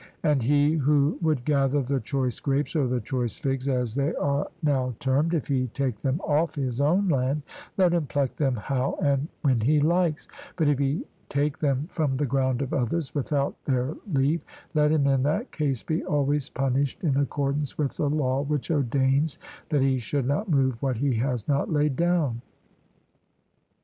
And he who would gather the 'choice' grapes or the 'choice' figs, as they are now termed, if he take them off his own land, let him pluck them how and when he likes; but if he take them from the ground of others without their leave, let him in that case be always punished in accordance with the law which ordains that he should not move what he has not laid down.